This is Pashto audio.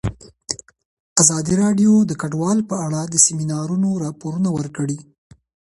ازادي راډیو د کډوال په اړه د سیمینارونو راپورونه ورکړي.